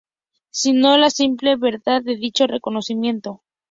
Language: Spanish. Sino la simple verdad de dicho reconocimiento.